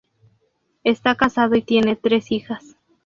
Está casado y tiene tres hijas.